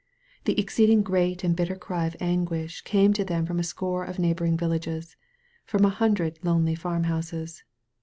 The exceeding great and bitter cry of anguish came to them from a score of neighboring villages, ' from a hundred lonely farmhouses.